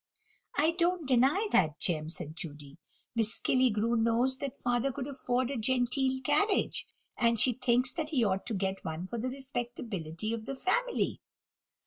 "I don't deny that, Jem," said Judy; "Miss Killigrew knows that father could afford a genteel carriage, and she thinks that he ought to get one for the respectability of the family."